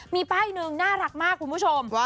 มีป้ายหนึ่งน่ารักมากคุณผู้ชม